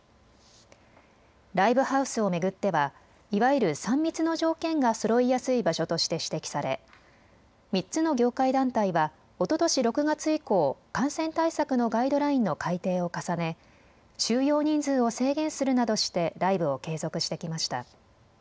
ライブハウスを巡ってはいわゆる３密の条件がそろいやすい場所として指摘され３つの業界団体はおととし６月以降、感染対策のガイドラインの改訂を重ね収容人数を制限するなどしてライブを継続してきました。